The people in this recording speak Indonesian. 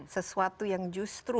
sesuatu yang justru